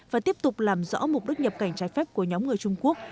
và tiếp tục làm rõ mục đích nhập cảnh trái phép của nhóm người trung quốc